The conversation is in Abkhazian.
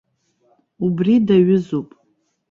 Убри даҩызоуп.